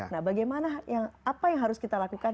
nah bagaimana apa yang harus kita lakukan